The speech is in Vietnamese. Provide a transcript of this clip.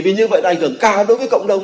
vì như vậy đành cường ca đối với cộng đồng